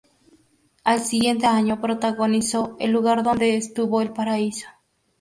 Al siguiente año protagonizó "El lugar donde estuvo el paraíso".